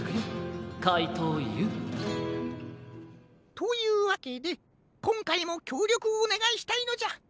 というわけでこんかいもきょうりょくをおねがいしたいのじゃ。